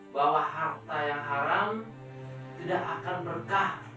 bahwa harta yang haram tidak akan berkah